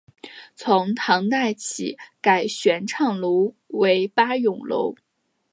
从唐代起改玄畅楼为八咏楼。